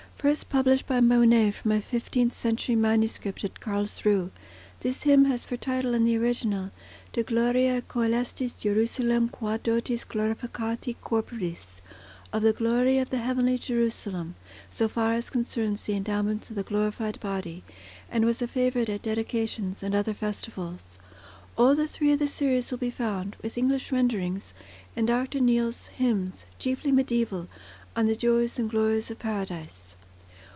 First published by Mone from a fifteenth century MS., at Karlsruhe. This hymn has for title in the original, De Gloriâ Cœlestis Jerusalem quoad dotes Glorificati Corporis—"Of the Glory of the Heavenly Jerusalem, so far as concerns the endowments of the Glorified Body," and was a favourite at dedications and other festivals. All the three of the series will be found, with English renderings, in Dr. Neale's "Hymns, chiefly Mediæval, on the Joys and Glories of Paradise."